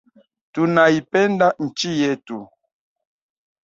Tunaipenda nchi yetu.